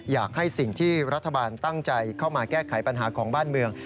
อยากให้สิ่งที่รัฐบาลตั้งใจเข้ามาแก้ไขปัญหาของบ้านเมือง